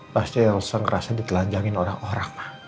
pasti elsa ngerasa ditelanjangin orang orang